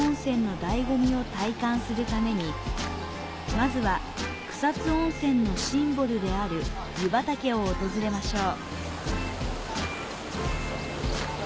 まずは草津温泉のシンボルである湯畑を訪れましょう。